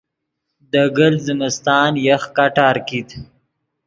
دے گلت زمستان یخ کٹار کیت